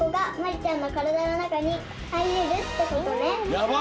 やばい！